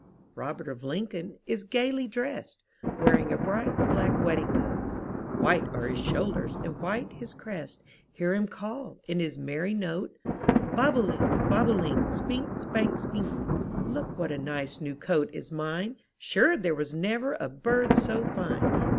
Robert of Lincoln is gayly drest. Wearing a bright, black wedding coat; White are his shoulders and white his crest, Hear him call, in his merry note, Bob o* link, bob o' link, Spink, spank, spink. Look what a nice new coat is mine, Sure there was never a bird so fine!